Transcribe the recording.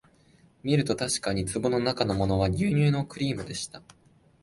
みるとたしかに壺のなかのものは牛乳のクリームでした